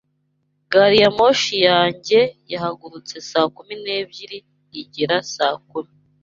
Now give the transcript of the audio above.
Gari ya moshi yanjye yahagurutse saa kumi n'ebyiri igera saa kumi.